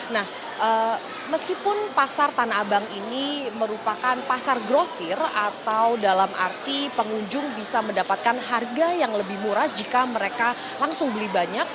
nah meskipun pasar tanah abang ini merupakan pasar grosir atau dalam arti pengunjung bisa mendapatkan harga yang lebih murah jika mereka langsung beli banyak